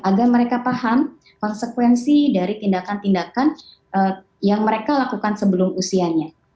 agar mereka paham konsekuensi dari tindakan tindakan yang mereka lakukan sebelum usianya